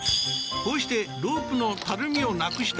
こうしてロープのたるみをなくした